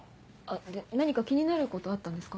で何か気になることあったんですか？